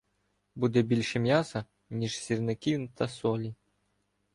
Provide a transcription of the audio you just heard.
Буде більше м'яса, ніж сірників та солі.